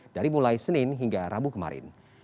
dari mulai senin hingga rabu kemarin